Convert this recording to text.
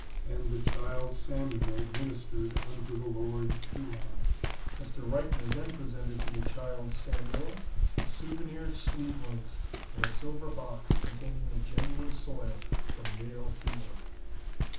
And The Child Samuel ministered unto the Lord Eli." Mr. Reichner then presented to the Child Samuel the souvenir sleeve links and a silver box containing the genuine soil from Yale Field.